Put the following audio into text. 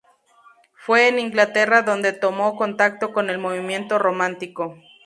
Fue en Inglaterra dónde tomó contacto con el movimiento romántico.